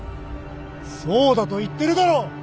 そうだと言ってるだろう！